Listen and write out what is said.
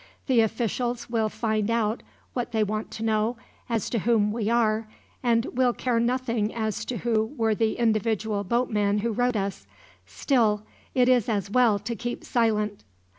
The officials will find out what they want to know as to whom we are, and will care nothing as to who were the individual boatmen who rowed us. Still, it is as well to keep silent.